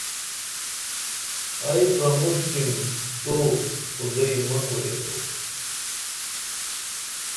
ائی پرمُݜٹِم تو خُدئی مہ کوریبو